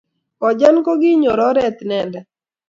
Kojan kokinyor oret inendet